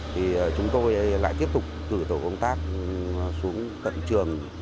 thì chúng tôi lại tiếp tục cử tổ công tác xuống tận trường